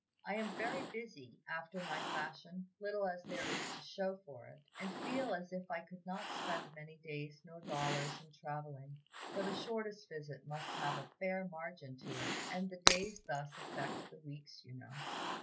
I am very busy, after my fashion, little as there is to show for it, and feel as if I could not spend many days nor dollars in traveling; for the shortest visit must have a fair margin to it, and the days thus affect the weeks, you know.